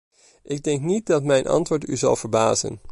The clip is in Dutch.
Ik denk niet dat mijn antwoord u zal verbazen.